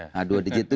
nah dua digit itu